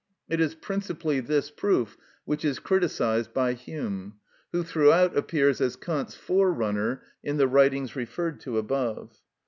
It is principally this proof which is criticised by Hume, who throughout appears as Kant's forerunner in the writings referred to above.